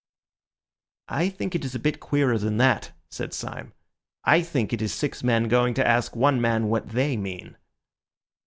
"I think it is a bit queerer than that," said Syme. "I think it is six men going to ask one man what they mean."